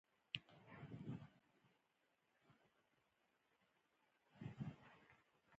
• د غاښونو درد زغم کول ستونزمن دي.